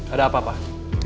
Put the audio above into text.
ada apa pak